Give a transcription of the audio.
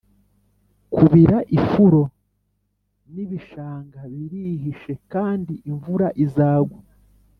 kubira ifuro n'ibishanga birihishe kandi imvura izagwa: